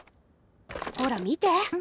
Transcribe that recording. ほら見て。